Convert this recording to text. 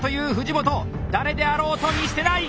誰であろうと見捨てない！